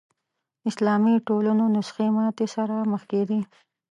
اسلامي ټولنو نسخې ماتې سره مخ کېدې